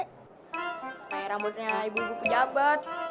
kayak rambutnya ibu ibu pejabat